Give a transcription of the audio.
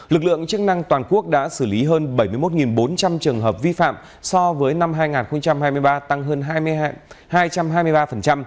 lực lượng chức năng toàn quốc đã xử lý hơn bảy mươi một bốn trăm linh trường hợp vi phạm so với năm hai nghìn hai mươi ba tăng hơn hai trăm hai mươi ba